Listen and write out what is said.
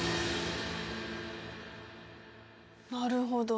なるほど。